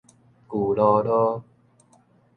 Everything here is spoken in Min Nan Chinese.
舊囉囉